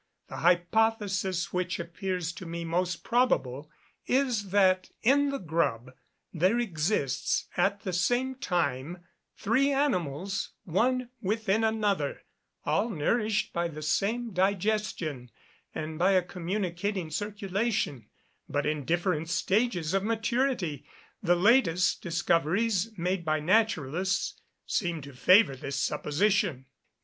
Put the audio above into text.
The hypothesis which appears to me most probable, is that, in the grub, there exists at the same time three animals, one within another, all nourished by the same digestion, and by a communicating circulation; but in different stages of maturity. The latest discoveries made by naturalists, seem to favour this supposition.